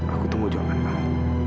aku tunggu jawaban kamu